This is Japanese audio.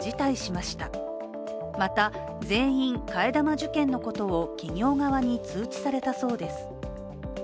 また、全員替え玉受検のことを企業側に通知されたそうです。